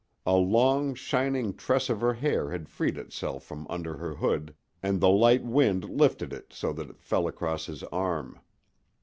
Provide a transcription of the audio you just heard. A long, shining tress of her hair had freed itself from under her hood, and the light wind lifted it so that it fell across his arm.